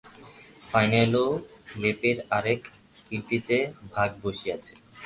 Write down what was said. ফাইনালেও পেলের আরেক কীর্তিতে ভাগ বসিয়েছেন।